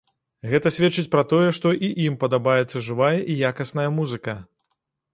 Гэта сведчыць пра тое, што і ім падабаецца жывая і якасная музыка.